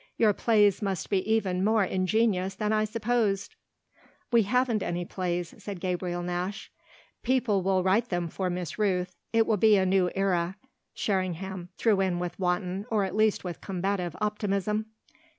Your plays must be even more ingenious than I supposed!" "We haven't any plays," said Gabriel Nash. "People will write them for Miss Rooth it will be a new era," Sherringham threw in with wanton, or at least with combative, optimism.